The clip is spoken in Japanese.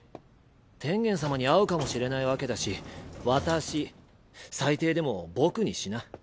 天元様に会うかもしれないわけだし「私」最低でも「僕」にしな。